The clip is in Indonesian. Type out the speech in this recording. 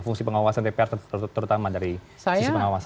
fungsi pengawasan dpr terutama dari sisi pengawasan